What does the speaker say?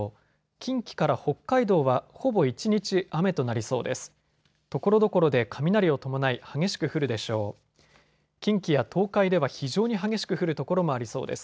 近畿から北海道はほぼ一日雨となりそうです。